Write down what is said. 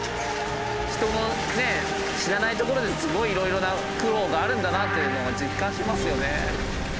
人の知らないところですごいいろいろな苦労があるんだなというのを実感しますよね。